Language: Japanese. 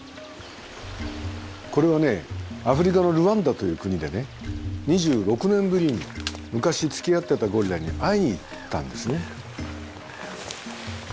これはアフリカのルワンダという国でね２６年ぶりに昔つきあってたゴリラに会いに行ったんですね。